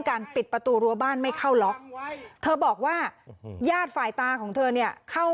ไม่ได้อยู่ใกล้ส้มใครอยู่ตรงที่ตัวเองตรงนี้